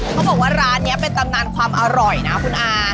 เขาบอกว่าร้านนี้เป็นตำนานความอร่อยนะคุณอา